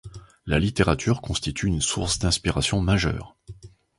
La littérature constitue une source d'inspiration majeure.